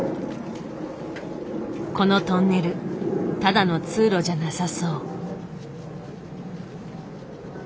このトンネルただの通路じゃなさそう。